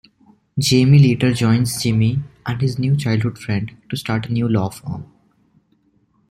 Jamie later joins Jimmy and his childhood friend to start a new law firm.